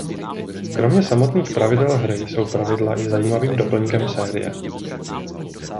Kromě samotných pravidel hry jsou pravidla i zajímavým doplňkem série.